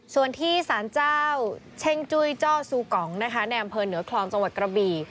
ส่วนที่สารเจ้าเช่งจุ้ยจ้อซูกองนะคะในอำเภอเหนือคลองจังหวัดกระบี่